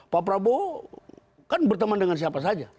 pak prabowo kan berteman dengan siapa saja